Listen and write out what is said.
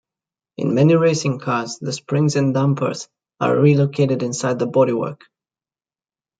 In many racing cars, the springs and dampers are relocated inside the bodywork.